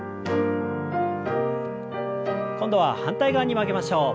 今度は反対側に曲げましょう。